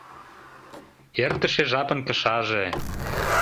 ЭРТЫШЕ ЖАПЫН КЫШАЖЕ